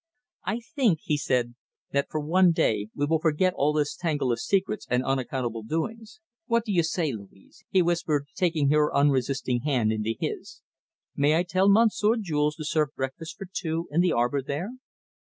"I think," he said, "that for one day we will forget all this tangle of secrets and unaccountable doings. What do you say, Louise?" he whispered, taking her unresisting hand into his. "May I tell Monsieur Jules to serve breakfast for two in the arbour there?"